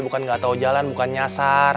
bukan gak tau jalan bukan nyasar